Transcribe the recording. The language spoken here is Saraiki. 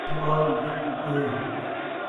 اُٻہل دے اڳوں ٹوئے